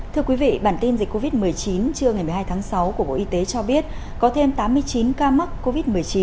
thưa quý vị bản tin dịch covid một mươi chín trưa ngày một mươi hai tháng sáu của bộ y tế cho biết có thêm tám mươi chín ca mắc covid một mươi chín